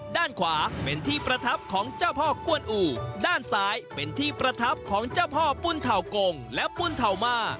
ด้านขวาเป็นที่ประทับของเจ้าพ่อกวนอู่ด้านซ้ายเป็นที่ประทับของเจ้าพ่อปุ่นเถากงและปุ้นเทามา